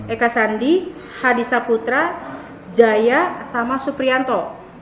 eka sandi hadisaputra jaya sama suprianto